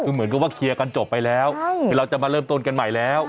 คือเหมือนกับว่าเคลียร์กันจบไปแล้วคือเราจะมาเริ่มต้นกันใหม่แล้ว